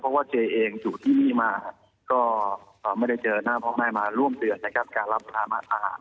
เพราะว่าเจเองอยู่ที่นี่มาก็ไม่ได้เจอหน้าพ่อแม่มาร่วมเดือนนะครับการรับภามาอาหาร